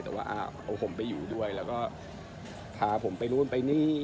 แต่ว่าเอาผมไปอยู่ด้วยแล้วก็พาผมไปนู่นไปนี่